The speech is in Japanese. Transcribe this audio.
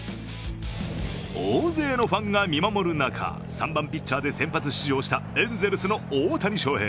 大勢のファンが見守る中３番・ピッチャーで先発出場したエンゼルスの大谷翔平。